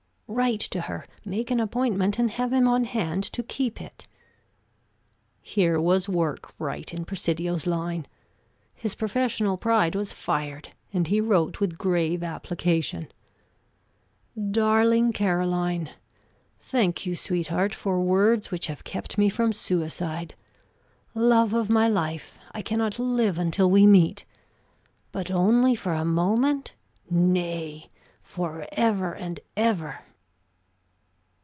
"Write to her; make an appointment, and have him on hand to keep it." Here was work right in Presidio's line; his professional pride was fired, and he wrote with grave application: "Darling Caroline: Thank you, sweetheart, for words which have kept me from suicide. Love of my life, I can not live until we meet! But only for a moment? Nay, for ever and ever!"